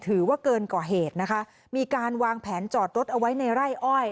ถือว่าเกินกว่าเหตุนะคะมีการวางแผนจอดรถเอาไว้ในไร่อ้อย